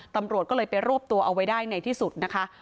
ตำรวจก็เลยไปรวบตัวเอาไว้ได้ในที่สุดนะคะ